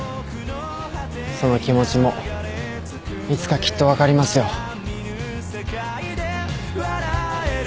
その気持ちもいつかきっと分かりますよ。